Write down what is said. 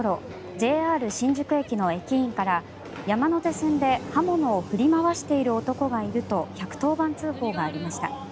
ＪＲ新宿駅の駅員から山手線で刃物を振り回している男がいると１１０番通報がありました。